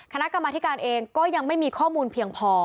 ธรรมชาติการอีกการก็ยังไม่มีข้อมูลเพียงพอ